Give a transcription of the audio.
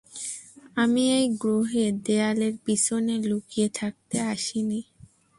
আমি এই গ্রহে দেয়ালের পিছনে লুকিয়ে থাকতে আসিনি।